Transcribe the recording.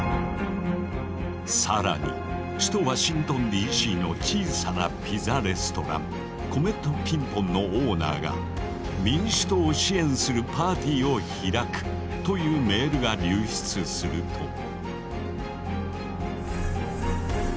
更に首都ワシントンＤ．Ｃ．の小さなピザレストランコメット・ピンポンのオーナーが民主党を支援するパーティーを開くというメールが流出すると。